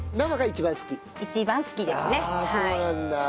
あそうなんだ。